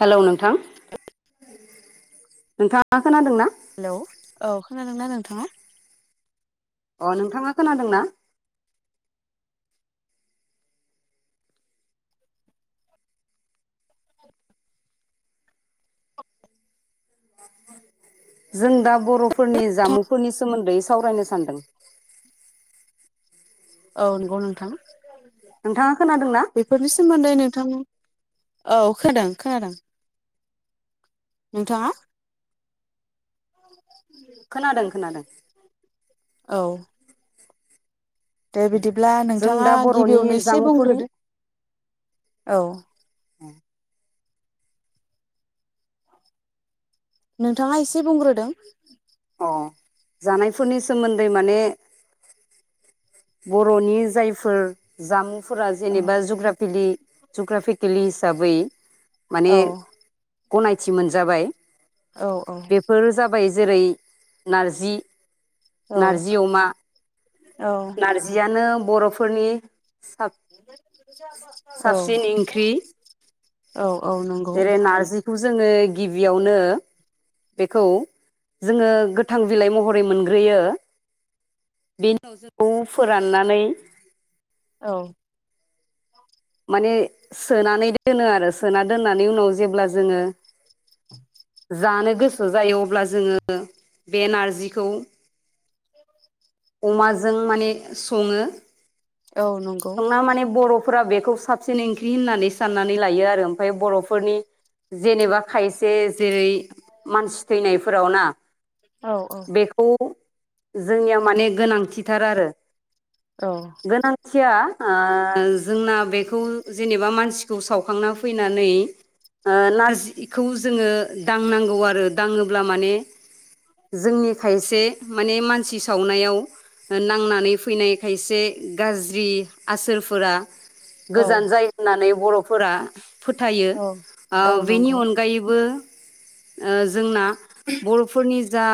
Hello नोंथां नोंथाङा खोनादों ना हेलौ औ खोनादोंना नोंथाङा। अ नोंथाङा खोनादोंना? जों दा बरफोरनि जामुंफोरनि सोमोन्दै सावरायनो सानदों [inaudible] औ नंगौ नोंथां। नोंथाङा खोनादोंना बेफोरनि सोमोन्दै नोंथां। औ खोनादों खोनादों। नोंथाङा खोनादों खोनादों औ। दे बिदिब्ला जों नोंथाङा दा बर'नि गिबियावनो एसे जामुंफोरनि बुंग्रोदो। औ। उम। नोंथाङा एसे बुंग्रोदो। अ जानायफोरनि सोमोन्दै माने बर'नि जायफोर जामुं फोरा औ जेनेबा जुग्राफेलि जुग्राफिकेलि हिसाबै माने औ गनायथि मोनजाबाय। औ औ बेफोर जाबाय जेरै नारजि औ नारजि अमा औ। नारजियानो बर'फ फोरनि साब औ सासिन ओंख्रि औ औ नंगौ जेरै-नारजिखौ जोङो गिबियावनो बेखौ जोङो गोथां बिलाइ महरै मोनग्रोयो बेनि उनाव जोङो औ फोराननानै- औ। माने सोनानै दोनो आरो सोना दोननानै उनाव जेब्ला जोङो [inaudible] जानो गोसो जायो अब्ला जोङो बे नारजिखौ अमाजों माने स सङो। औ नंगौ। फोरा बेब बेखौ साबसिन ओंख्रि होननानै साननानै लायो आरो ओमफ्राय बर'फोरनि जेनेबा खायसे जेरै मानसि थैनायफोराव ना औ बेखौ। जोंनियाव माने गोनांथि थार आरो औ गोनांथिया ओ जोंनाब बेखौ जेनेबा मानसिखौ सावखांना फैनानै ओ नारज इखौ जोङो दांनांगौ आरो दाङोब्ला माने जोंनि खायसे माने मानसि सावनायाव नांनानै फैनाय खायसे गाज्रि आसोरफोरा औ गोजान जायो होननानै बर' फोरा फोथायो औ ओ औ बेनि नंगौ अनगायैबो ओ जोंना बर फोरनि जा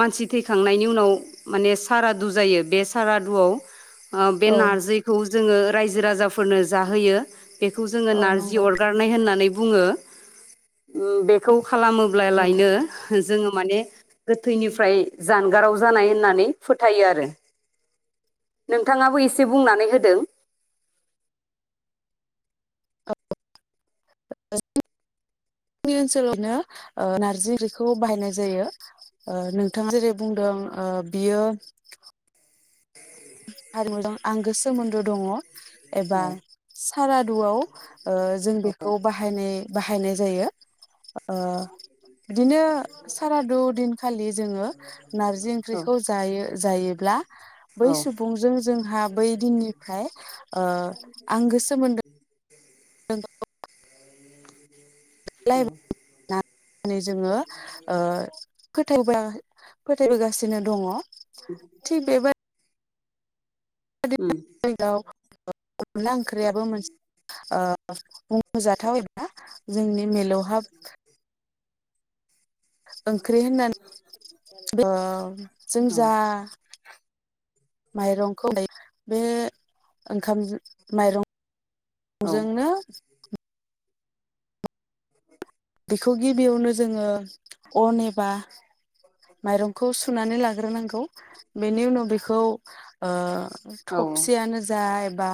मानसि थैखांनायनि उनाव माने सारादु जायो बे सारादुआव ओ बे औ नारजिखौ जोंङो रायजो राजाफोरनो जाहोयो। बेखौ जोंङो औ नारजि नंगौ अरगारनाय होनना नै बुंङो। खालामोब्ला नंगौ लायनो जोंङो माने गोथैनिफ्राय जानगाराव जानाय होननानै फोथायो आरो नोंथाङाबो एसे बुंनानै होदों। जोंनि ओनसोलाव बिदिनो ओ नारजि ओंख्रिखौ बाहायनाय जायो ओ नोंथाङा जेरै बुंदों ओ बियो हारिमु जों आंगो सोमोन्दो दङ। औ एबा सारादुआव ओ जों बेखौ बाहायनाय बाहायनाय जायो। ओ बिदिनो सारादु दिनखालि जोंङो नारजि औ ओंख्रिखौ जायो जायोब्ला औ बै सुबुंजों जों जोंहा बै दिननिफ्राय ओ आंगो सोमोन्दो। [unintelligible] औ [unintelligible] नै जोंङो ओ फोथायावबा- [inaudible] फोथायबोगासिनो दङ थिग बेबाय उम [unintelligible] अनला ओंख्रियाबो मोनसे ओ बुंजाथावबा एबा जोंनि मेलौहाब ओंख्रै होननानै ओ जों औ जा माइरंखौ बे ओंखाम माइरं औ जोंनो बेखौ गिबियावनो जोंङो अन एबा होग्रोनांगौ बेनि उनाव बेखौ ओ। थबसियानो जा ए बा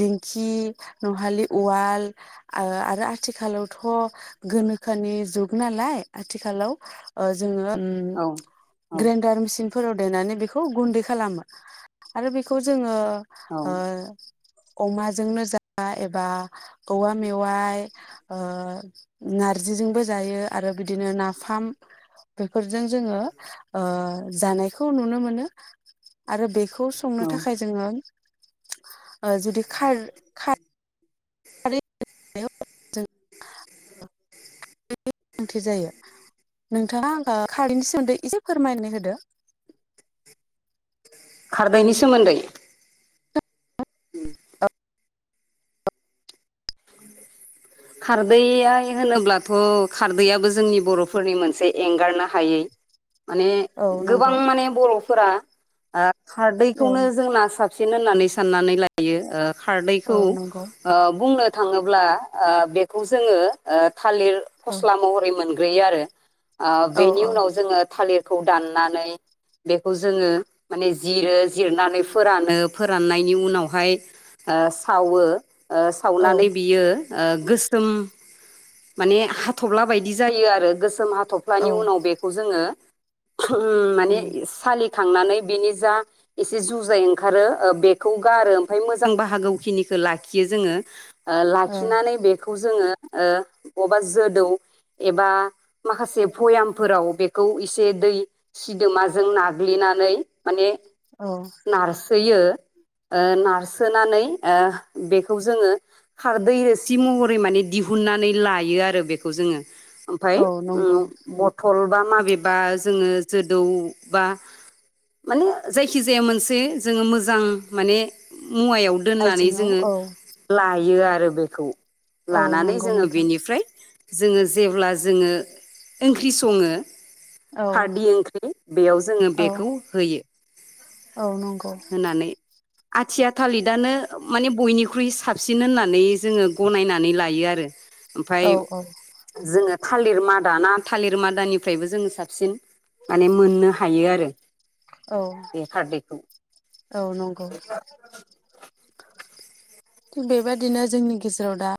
दिंखि नहोले उवाल ओ आरो आथिखालावथ' गोनोखोनि जुग नालाय आथिखालाव जोङो औ ग्रेन्दार मिसिन फोराव देनानै बेखौ गुन्दै खालामो आरो बेखौ जोङो औ ओ अमाजोंनो जा एबा औवा मेवाय ओ नारजिजोंबो जायो आरो बिदिनो ना फाम बेफोर जों जोङो ओ जानायखौ नुनो मोनो। आरो बेखौ संनो थाखाय जोङो ओ जुदि खार खार [unintelligible] गोनांथि जायो नोंथाङा ओ खारैनि सोमोन्दै एसे फोरमायनो हो हो खारदैनि सोमोन्दै खारदैआ होनोब्लाथ' खारदैयाबो जोंनि बर'फोरनि मोनसे एंगारनो हायै माने औ गोबां नंगौ माने बर'फोरा ओ औ खारदैखौनो जोंना साबसिन होननानै साननानै लायो ओ। खारदैखौ औ नंगौ ओ बुंनो थांङोब्ला आ बेखौ जोंङो ओ थालिर औ फस्ला महरै मोन ग्रोयो आरो। आ औ बेनि औ उनाव जोंङो थालिर खौ दाननानै बेखौ जोंङो माने जिरो जिरनानै फोरानो फोराननायनि उनावहाय ओ सावो। ओ औ सावनानै बियो ओ गोसोम माने हाथफ्ला बायदि जायो आरो गोसोम हाथ औ थफ्लानि उनाव बेखौ जोंङो [unintelligible] माने उम सालिखांनानै बेनि जा एसे जुजाय ओंखारो ओ बेखौ गारो ओमफ्राय मोजां बाहागोखिनिखौ लाखियो जोंङो, ओ खिनानै बे खौ जोंङो ओ बबेबा जोदौ एबा माखासे भयामफोराव बेखौ एसे दै सिदोमाजों नाग्लिनानै माने औ नारसोयो। ओ नारसोनानै ओ बेखौ जोंङो खार दै रोसि महरै माने दिहुननानै लायो आरो बेखौ जोंङो। ओमफाय औ ओ नंगौ बथल बा माबेबा जोंङो जोदौबा माने जायखिजाया मोनसे जोंङो मोजां माने मुवायाव दोननानै आइजेंआव जोंङो औ लायो आरो। बेखौ औ लानानै नंगौ जोंङो नोंथां बेनिफ्राय जोंङो जेब्ला जोंङो ओंख्रि संङो औ खारदै ओंख्रि बेयाव जोंङो औ बेखौ होयो। औ नंगौ होनानै आथिया थालिदानो माने बयनिख्रुइ साबसिन होननानै जोंङो गनायनानै लायो आरो। ओमफाय औ औ जोंङो थालिर मादा ना थालिर मादानिफ्रायबो जोंङो साबसिन माने मोननो हायो आरो। औ बे खारदैखौ। औ नंगौ। थिग बेबायादिनो जोंनि गेजेराव दा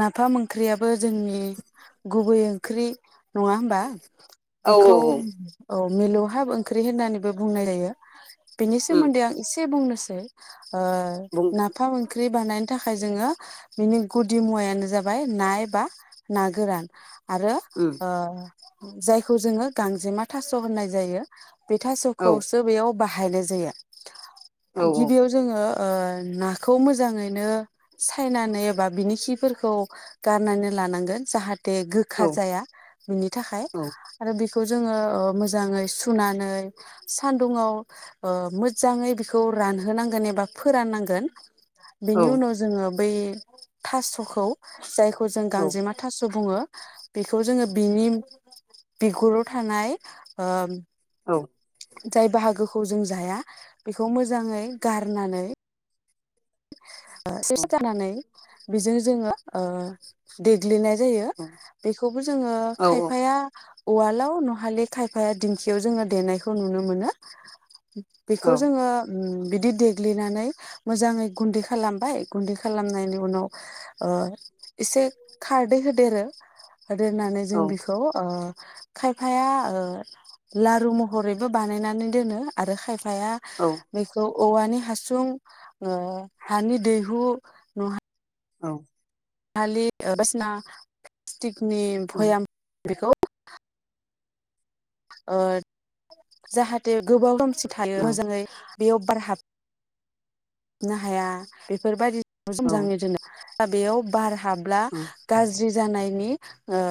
नाफाम ओंख्रियाबो जोंनि गुबै ओंख्रि। नङा होमबा औ औ बेखौ औ औ मिलौहाब ओंख्रि होननानैबो बुंनाय जायो बेनि उम सोमोन्दै आं इसे से बुंनोसै ओ बुंदो नाफाम ओं ख्रि बानायनो थाखाय जोङो बिनि गुदि मुवायानो जाबाय ना एबा ना गोरान। आरो उम ओ जायखौ जोङो गांजेमा थास होननाय जायो बे औ थासखौसो बेयाव बा बाहायनाय जायो औ गिबियाव जोङो ओ नाखौ खौ मोजाङैनो सायनानै एबा बिनि खिफोरखौ गारनानै लानांगोन जाहाथे थे औ गोखा जाया बिनि थाखाय औ आरो बेखौ बेखौ जोङो ओ मोजाङै सुनानै सानदुङाव ओ मोजाङै बेखौ रानहोनांगोन एबा फोराननांगोन औ बेनि उनाव जोङो बै थास'खौ जाय खौ जों औ गांजेमा थास बुङो बेखौ जोङो बिनि बिगुराव थानाय ओ औ जाय बाहागोखौ जों जाया बेखौ मोजाङै गारनानै [inaudible] [unintelligible] जानानै बेजों जोङो ओ देग्लिनाय जायो बेखौबो जोङो खायफाया उवालाव नहालि खायफाया दिंखियाव जोङो देनायखौ नुनो मोनो बेखौ जोङो ओ बिदि देग्लिनानै मोजाङै गुन्दै खालामबाय गुन्दै खालामनायनि उनाव ओ एसे खारदै होदेरो होदेरनानै जों बिखौ ओ खायफाया ओ लारु महरैबो बानायनानै दोनो आरो खाय फाया बेखौ औवानि हासुं ओ हानि दैहु न औ हालि [unintelligible] टिकनि भयाम बेखौ ओ जाहाथे गोबाव सम सि थायो मोजोंङै बेयाव बार हाब [inaudible] नो हाया बेफोरबायदि [unintelligible] दा बेयाव बार हाब्ला गाज्रि जानायनि ओ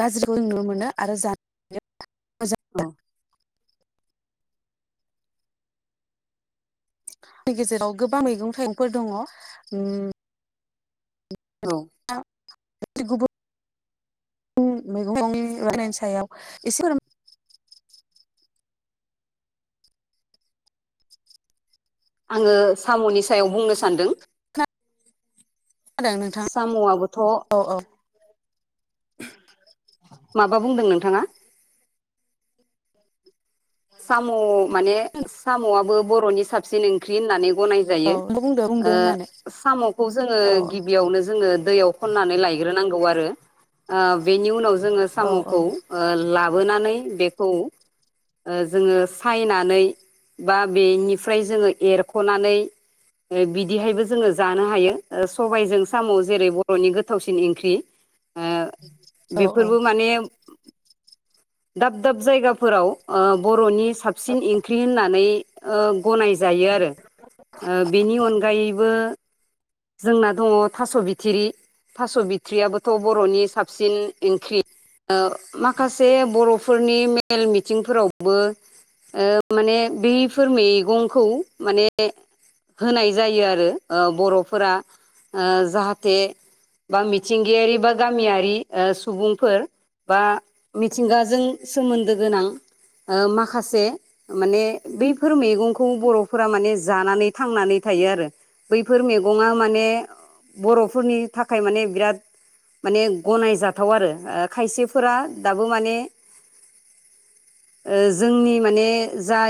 गाज्रिखौ जों नुनो मोनो आरो जा [unintelligible] औ नि गेजेराव गोबां मैगं थाइगंफोर दंङ उम औ गुबुन [unintelligible] मैगं राननायनि सायाव एसे फोर आंङो साम'नि सायाव बुंनो सानदों। होदों नोंथां साम'आबोथ' औ [inaudible] माबा बुंदों नोंथांङा? साम' माने साम'आबो बर'नि साबसिन ओंख्रि होननानै गनाय औ जायो, बुंदो ओ बुंदो होननानै साम'खौ जोंङो औ गिबियावनो जोंङो दैयाव खनानै लाय ग्रो नांगौ आरो ओ बेनि उनाव जोंङो औ औ साम'खौ ओ ला बोनानै बेखौ ओ जोंङो सायनानै बा बेनिफ्राय जोंङो एरख'नानै बिदिहायबो जोंङो जानो हायो, सबायजों साम' जेरै बर'नि गोथावसिन ओंख्रि। ओ औ औ बेफोरबो माने दाब दाब जायगाफोराव ओ बर'नि साबसिन ओंख्रि होननानै ओ गनायजायो आरो ओ बेनि अनगायैबो जोंना दंङ थास' बिथिरि थास' बिथ्रियाबोथ' बर'नि साबसिन ओंख्रि ओ माखासे बर'फोरनि मेल मिथि थिंफोरावबो ओ माने बैफोर मैगंखौ माने होनाय जायो आरो बर'फोरा ओ जाहाथे बा मिथिंगायारि बा गामियारि सुबुंफोर बा मिथिंगाजों सोमोन्दो गोनां ओ माखासे माने बैफोर मैगंखौ बर'फोरा माने जानानै थांनानै थायो आर, बैफोर मैगंङा माने बर'फोरनि थाखाय माने बिराद माने गनायजाथाव आरो खायसेफोरा दाबो माने जोंनि माने जाय